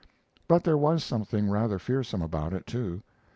But there was something rather fearsome about it, too.